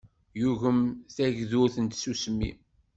Yugem tagdurt n tsusmi.